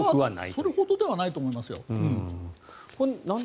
それほどではないと思いますよ。